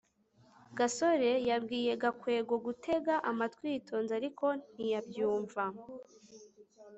gasore yabwiye gakwego gutega amatwi yitonze, ariko ntiyabyumva